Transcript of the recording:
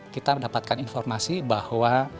kita mendapatkan informasi bahwa